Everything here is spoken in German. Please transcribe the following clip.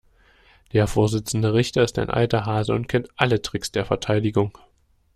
Der Vorsitzende Richter ist ein alter Hase und kennt alle Tricks der Verteidigung.